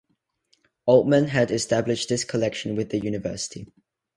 Altman had established this collection with the university.